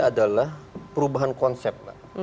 adalah perubahan konsep